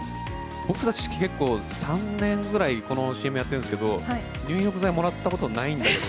僕たち結構、３年ぐらい、このＣＭやってるんですけど、入浴剤もらったことないんだけど。